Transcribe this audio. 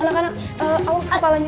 alahkanah allah sekepalanya